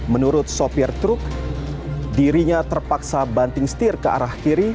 menurut sopir truk dirinya terpaksa banting setir ke arah kiri